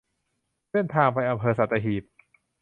เส้นทางไปอำเภอสัตหีบ